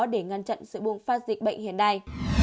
để ngăn chặn sự bùng phát dịch bệnh hiện nay